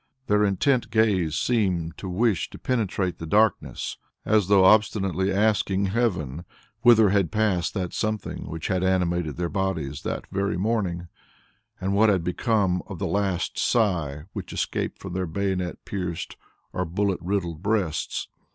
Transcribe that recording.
Their intent gaze seemed to wish to penetrate the darkness as though obstinately asking heaven whither had passed that something which had animated their bodies that very morning, and what had become of the last sigh which escaped from their bayonet pierced or bullet riddled breasts.